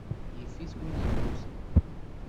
Yif-it win yemmuten.